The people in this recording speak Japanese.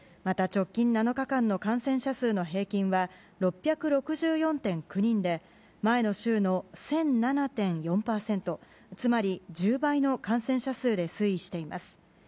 また、直近７日間の感染者数の平均は６６４．９人で前の週の１００７．４％つまり１０倍の感染者数で推移しています。